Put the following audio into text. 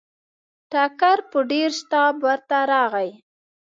ټکر په ډېر شتاب ورته راغی.